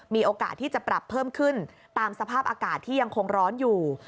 มีโอกาสที่จะปรับเพิ่มขึ้นตามสภาพอากาศที่ยังคงร้อนอยู่